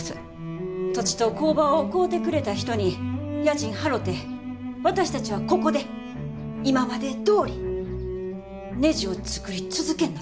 土地と工場を買うてくれた人に家賃払て私たちはここで今までどおりねじを作り続けんのです。